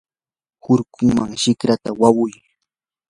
hurkunman shikrata wayuy.